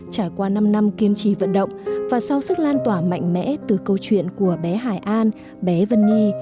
trải qua năm năm kiên trì vận động và sau sức lan tỏa mạnh mẽ từ câu chuyện của bé hải an bé vân nhi